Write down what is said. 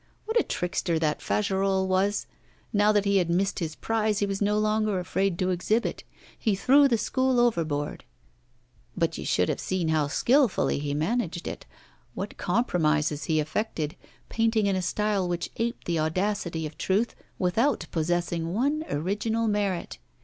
What a trickster that Fagerolles was! Now that he had missed his prize he was no longer afraid to exhibit he threw the School overboard; but you should have seen how skilfully he managed it, what compromises he effected, painting in a style which aped the audacity of truth without possessing one original merit.